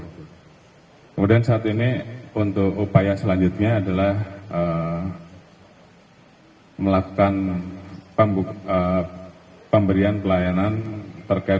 kemudian saat ini untuk upaya selanjutnya adalah melakukan pemberian pelayanan terkait